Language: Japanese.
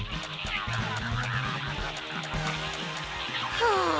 はあ。